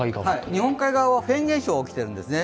日本海側はフェーン現象が起きているんですね。